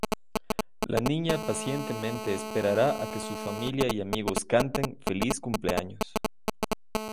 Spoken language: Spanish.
La niña pacientemente esperará a que su familia y amigos canten "feliz cumpleaños".